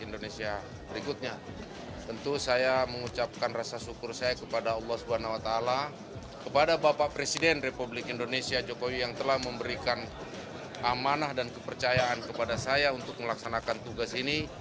indonesia berikutnya tentu saya mengucapkan rasa syukur saya kepada allah swt kepada bapak presiden republik indonesia jokowi yang telah memberikan amanah dan kepercayaan kepada saya untuk melaksanakan tugas ini